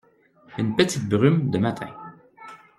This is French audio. Une petite brume de matin.